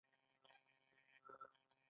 ځینې شیان لکه ونه او اوبه په طبیعت کې وي.